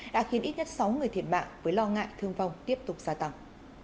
đã khiến ít nhất sáu người thiệt mạng với lo ngại thương vong tiếp tục xa tầng